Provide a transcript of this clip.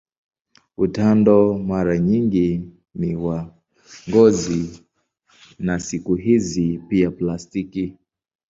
Utando mara nyingi ni wa ngozi na siku hizi pia plastiki.